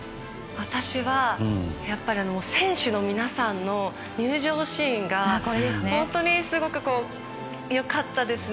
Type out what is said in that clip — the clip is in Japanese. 私は選手の皆さんの入場シーンが本当に良かったですね。